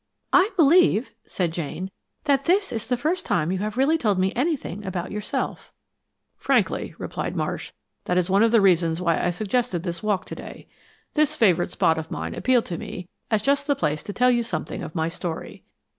"I believe," said Jane, "that this is the first time you have really told me anything abort yourself." "Frankly," replied Marsh, "that is one of the reasons why I suggested this walk today. This favorite spot of mine appealed to me as just the place to tell you something of my story.